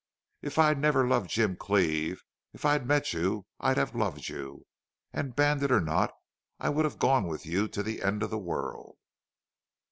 If I'd never loved Jim Cleve if I'd met you, I'd have loved you.... And, bandit or not, I'd have gone with you to the end of the world!"